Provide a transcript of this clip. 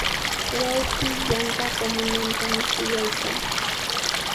Wawqii yanta apamunantami shuyaykaa.